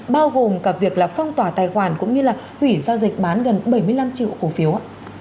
bao gồm cả việc là phong tỏa tài khoản cũng như hủy giao dịch bán gần bảy mươi năm triệu cổ phiếu